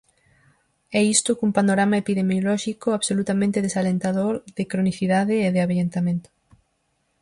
E isto, cun panorama epidemiolóxico absolutamente desalentador, de cronicidade e de avellentamento.